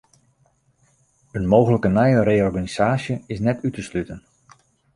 In mooglike nije reorganisaasje is net út te sluten.